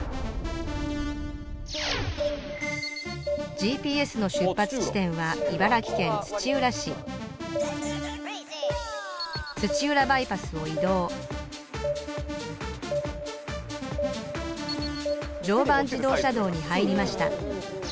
ＧＰＳの出発地点は茨城県土浦市土浦バイパスを移動常磐自動車道に入りました